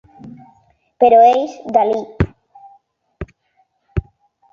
Però ells da-li.